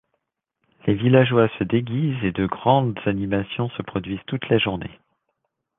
Les villageois se déguisent et de grandes animations se produisent toute la journée.